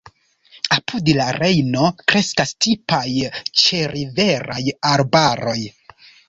Apud la Rejno kreskas tipaj ĉeriveraj arbaroj.